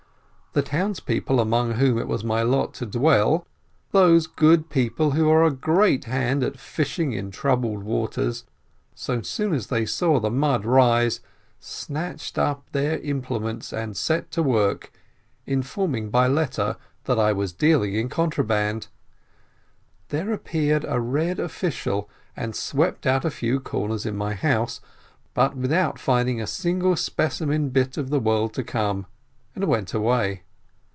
The townspeople among whom it was my lot to dwell, those good people who are a great hand at fishing in troubled waters, as soon as they saw the mud rise, snatched up their implements and set to work, informing by letter that I was dealing in contraband. There appeared a red official and swept out a few corners in my house, but without finding a single specimen bit of the world to come, and went away.